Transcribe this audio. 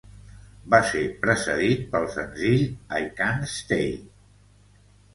Va ser precedit pel senzill "I Can't Stay".